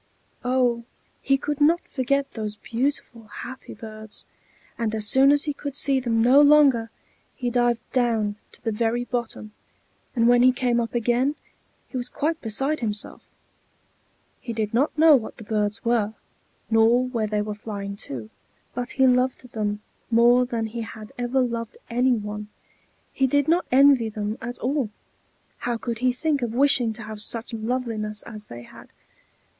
Oh! he could not forget those beautiful, happy birds; and as soon as he could see them no longer, he dived down to the very bottom, and when he came up again, he was quite beside himself. He did not know what the birds were, nor where they were flying to; but he loved them more than he had ever loved any one. He did not envy them at all. How could he think of wishing to have such loveliness as they had?